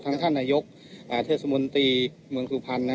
ท่านนายกเทศมนตรีเมืองสุพรรณ